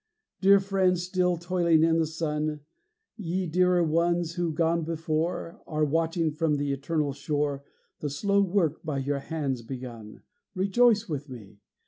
Dear friends still toiling in the sun; Ye dearer ones who, gone before, Are watching from the eternal shore The slow work by your hands begun, Rejoice with me!